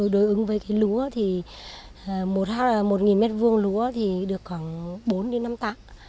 đối ứng với lúa một m hai lúa được khoảng bốn năm táng